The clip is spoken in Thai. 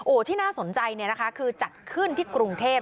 ที่น่าสนใจเนี่ยนะคะคือจัดขึ้นที่กรุงเทพ